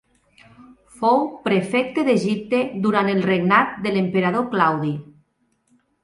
Fou prefecte d'Egipte durant el regnat de l'emperador Claudi.